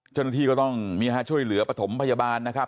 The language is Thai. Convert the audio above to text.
จนที่ก็ต้องมีช่วยเหลือประถมพยาบาลนะครับ